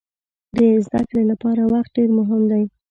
د زده کړې لپاره وخت ډېر مهم دی.